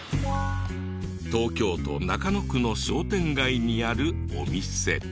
東京都中野区の商店街にあるお店。